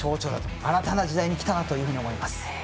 新たな時代にきたなと思います。